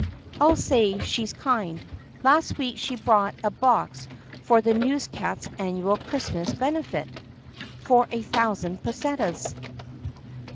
"I 'll say she 's kind. Last week she bought a box for the Newscats' Annual Christmas Benefit for a thousand pussetas."